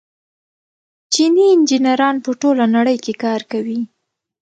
چیني انجنیران په ټوله نړۍ کې کار کوي.